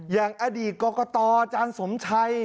อย่างอดีตกกตจานสมชัย